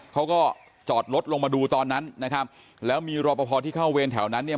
เขาก็จอดรถลงมาดูตอนนั้นนะครับแล้วมีรอปภที่เข้าเวรแถวนั้นเนี่ย